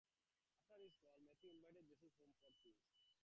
After his call, Matthew invited Jesus home for a feast.